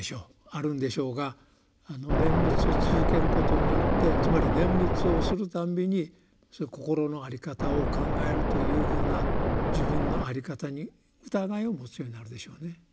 あるんでしょうが念仏を続けることによってつまり念仏をするたんびにそういう心の在り方を考えるというふうな自分の在り方に疑いを持つようになるでしょうね。